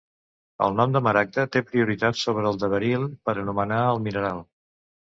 El nom de maragda té prioritat sobre el de beril per anomenar el mineral.